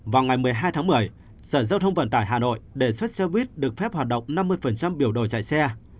vào ngày một mươi hai tháng một mươi sở giao thông vận tải hà nội đề xuất xe buýt được phép hoạt động năm mươi biểu đồ chạy xe